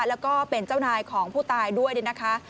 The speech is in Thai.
แล้วก็เป็นเจ้านายของผู้ตายด้วยเนี่ยนะคะ